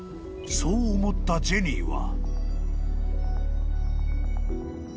［そう思ったジェニーは］